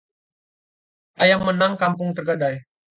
Ayam menang kampung tergadai